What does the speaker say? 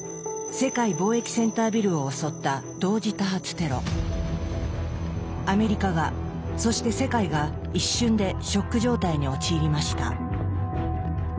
世界貿易センタービルを襲ったアメリカがそして世界が一瞬でショック状態に陥りました。